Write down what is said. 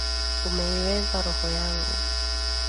Umeiweza roho yangu.